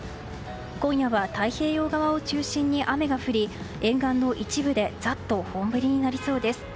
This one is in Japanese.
今夜は太平洋側を中心に雨が降り沿岸の一部でざっと本降りになりそうです。